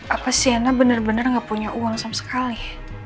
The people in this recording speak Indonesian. apa shana bener bener gak punya uang sama sekali